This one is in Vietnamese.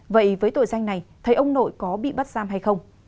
vậy với tội danh này thấy ông nội có bị bắt giam hay không